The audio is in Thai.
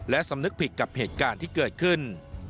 และสำนึกผิดกับเหตุการณ์ที่เกิดขึ้น